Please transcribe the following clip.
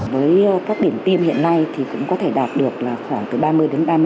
với các điểm tiêm hiện nay thì cũng có thể đạt được khoảng từ ba mươi đến ba mươi năm mũi tiêm một ngày